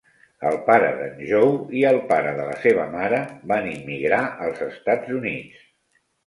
El pare de"n Joe i el pare de la seva mare van immigrar als Estats Units.